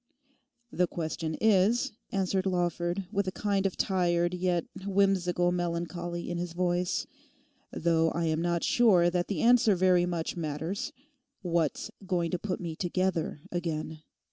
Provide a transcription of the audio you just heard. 'The question is,' answered Lawford, with a kind of tired yet whimsical melancholy in his voice, 'though I am not sure that the answer very much matters—what's going to put me together again?